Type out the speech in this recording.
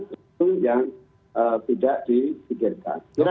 itu yang tidak disikirkan